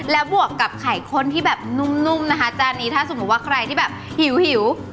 แล้วบวกกับไข่ข้นที่แบบนุ่มนะคะจานนี้ถ้าสมมุติว่าใครที่แบบหิว